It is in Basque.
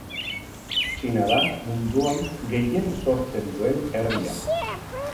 Txina da munduan gehien sortzen duen herria.